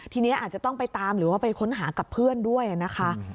ทีนี้อาจจะต้องไปตามหรือว่าไปค้นหากับเพื่อนด้วยนะคะ